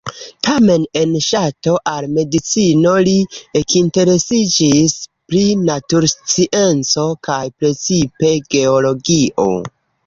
Tamen sen ŝato al medicino li ekinteresiĝis pri naturscienco, kaj precipe geologio.